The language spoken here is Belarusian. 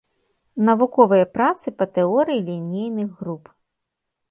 Навуковыя працы па тэорыі лінейных груп.